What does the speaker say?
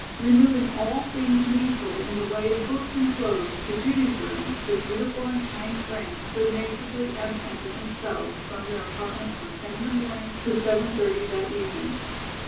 Removing all things needful in the way of books and clothes to Judy's room, the beautiful and kind friends good naturedly absented themselves from their apartment from ten in the morning to seven thirty that evening.